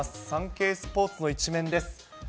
サンケイスポーツの１面です。